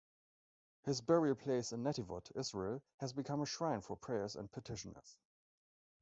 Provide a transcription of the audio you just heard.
His burial place in Netivot, Israel has become a shrine for prayers and petitioners.